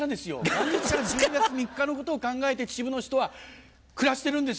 元日から１２月３日のことを考えて秩父の人は暮らしてるんですよ。